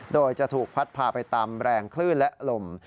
โดยจะถูกพัดพาไปตามแรงคลื่นและลม